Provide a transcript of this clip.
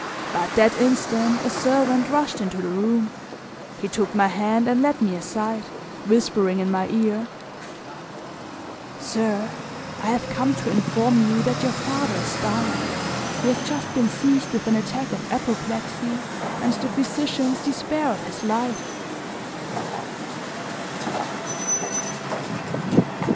But that instant a servant rushed into the room; he took my hand and led me aside, whispering in my ear: "Sir, I have come to inform you that your father is dying; he has just been seized with an attack of apoplexy and the physicians despair of his life."